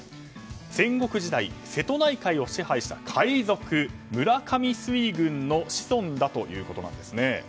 戦国時代瀬戸内海を支配した海賊村上水軍の子孫だということです。